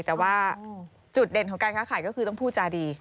แต่ว่าจุดเด่นของการค้าขายก็คือต้องพูดจาดี